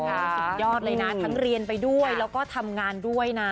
สุดยอดเลยนะทั้งเรียนไปด้วยแล้วก็ทำงานด้วยนะ